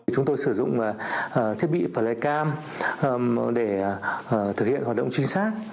chúng tôi sử dụng thiết bị phản lệ cam để thực hiện hoạt động chính xác